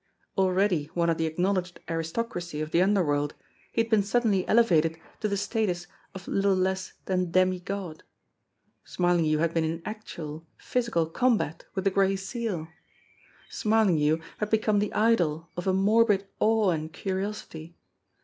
Already one of the acknowledged aristocracy of the under world, he had been suddenly elevated to the status of little less than demi god. Smarlinghue had been in actual, physi I02 BEGGAR PETE 103 cal combat with the Gray Seal ! Smarlinghue had become the idol of a morbid awe and curiosity!